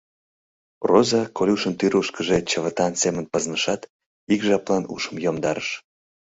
Роза Колюшын тӱрвышкыжӧ чывытан семын пызнышат, ик жаплан ушым йомдарыш...